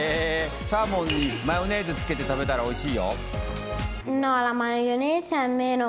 サーモンにマヨネーズつけて食べたらおいしいよ。